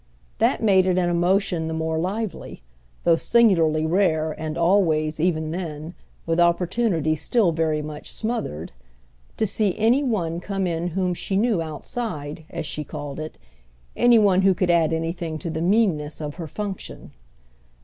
That made it an emotion the more lively—though singularly rare and always, even then, with opportunity still very much smothered—to see any one come in whom she knew outside, as she called it, any one who could add anything to the meanness of her function.